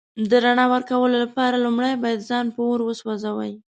د رڼا ورکولو لپاره لومړی باید ځان په اور وسوځوئ.